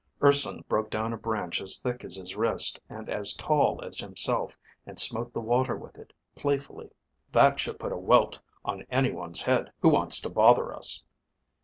Urson broke down a branch as thick as his wrist and as tall as himself and smote the water with it, playfully. "That should put a welt on anyone's head who wants to bother us."